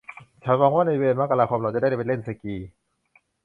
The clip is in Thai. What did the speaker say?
ฉันหวังว่าในเดือนมกราคมเราจะได้ไปเล่นสกี